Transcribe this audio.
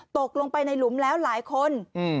ตกลงไปในหลุมแล้วหลายคน